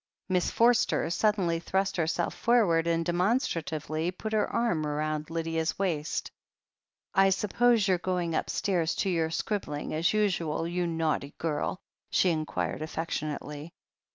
Miss Forster suddenly thrust herself forward, and demonstratively put her arm rotmd Lydia's waist. "I suppose you're going upstairs to your scribbling, as usual, you naughty girl?" she inquired affection ately.